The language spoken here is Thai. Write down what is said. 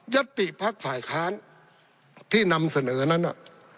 ติภักดิ์ฝ่ายค้านที่นำเสนอนั้นน่ะ